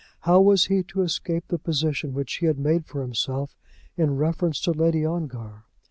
How was he to escape the position which he had made for himself in reference to Lady Ongar?